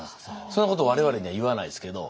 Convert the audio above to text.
そんなこと我々には言わないですけど。